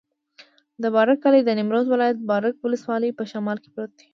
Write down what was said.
د بارک کلی د نیمروز ولایت، بارک ولسوالي په شمال کې پروت دی.